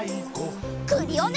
クリオネ！